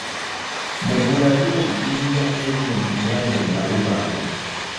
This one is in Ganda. Mugula liba Jjinja eliri mu nnyanja Nnalubaale.